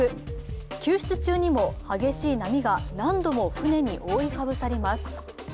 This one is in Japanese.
救出中にも激しい波が何度も船に覆いかぶさります。